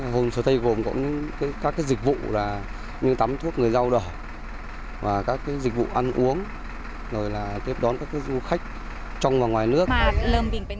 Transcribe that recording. hồn sở tây hồn cũng có các dịch vụ như tắm thuốc người dâu dịch vụ ăn uống tiếp đón các du khách